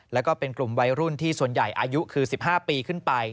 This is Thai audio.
แล้วก็เป็นกลุ่มวัยรุ่นที่ส่วนใหญ่อายุคือ๑๕ปีขึ้นไป